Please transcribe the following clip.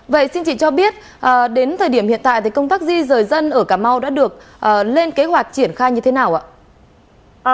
vậy xin chị cho biết đến thời điểm hiện tại thì công tác di rời dân ở cà mau đã được lên kế hoạch triển khai như thế nào ạ